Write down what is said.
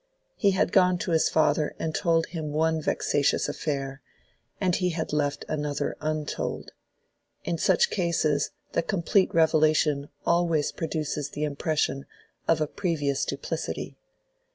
He had gone to his father and told him one vexatious affair, and he had left another untold: in such cases the complete revelation always produces the impression of a previous duplicity.